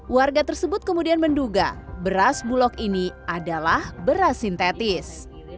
warga tersebut kemudian menduga beras bulog ini adalah beras sintetis